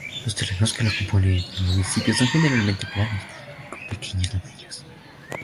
Los terrenos que componen el municipio son generalmente planos con pequeños lomeríos.